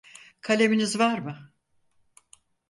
Kaleminiz var mı?